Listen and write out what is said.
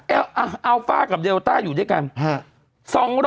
เอาอัลฟ่ากับเดลต้าอยู่ด้วยกัน